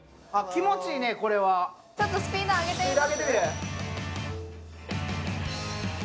ちょっとスピード上げてみます？